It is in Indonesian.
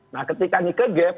nah ketika ini ke gap